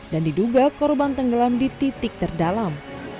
dan diduga korban tenggelam di titik terdalam